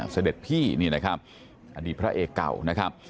เสด็จพี่นี่นะครับอดีตพระเอกเก่านะครับ